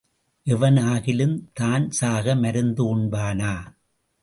எவன் ஆகிலும் தான் சாக மருந்து உண்பானா?